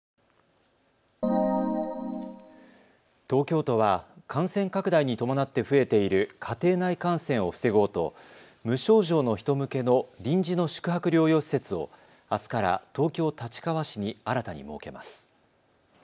東京都は感染拡大に伴って増えている家庭内感染を防ごうと無症状の人向けの臨時の宿泊療養施設をあすから東京立川市に新たに設けます。